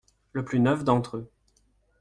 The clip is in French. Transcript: Le plus neuf d’entre eux.